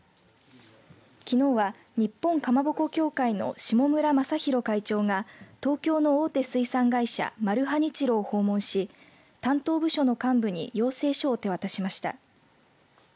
きのうは、日本かまぼこ協会の下村全宏会長が東京の大手水産会社マルハニチロを訪問し担当部署の幹部に要請書を手渡しました。